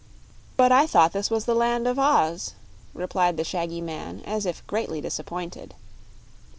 "But I thought this was the Land of Oz," replied the shaggy man, as if greatly disappointed.